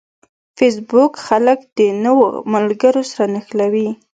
فېسبوک خلک د نوو ملګرو سره نښلوي